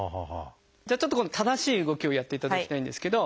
じゃあちょっと今度正しい動きをやっていただきたいんですけど。